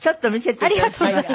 「ありがとうございます。